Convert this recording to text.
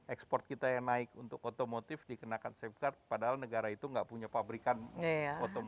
ekspor kita yang naik untuk otomotif dikenakan safeguard padahal negara itu nggak punya pabrikan otomotif